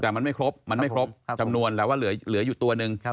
แต่มันไม่ครบจำนวนแล้วว่าเหลืออยู่ตัวนึง